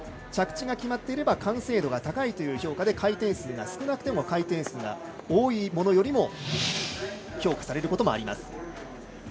着地が決まっていれば完成度が高いという評価で回転数が少なくても回転数が多いものよりも評価されることもあります。